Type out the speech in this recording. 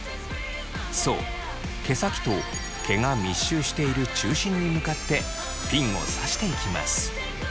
そう毛先と毛が密集している中心に向かってピンを挿していきます。